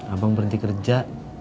abang berhenti kerja